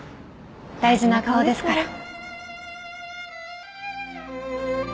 大事な顔ですから